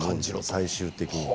最終的に。